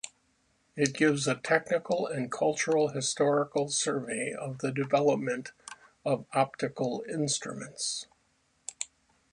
It gives a technical and cultural-historical survey of the development of optical instruments.